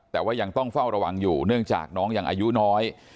แต่ว่ายังต้องเฝ้าระวังอยู่เนื่องจากน้องยังอายุน้อย